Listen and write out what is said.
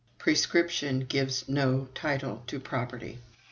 % 3. Prescription Gives No Title to Property.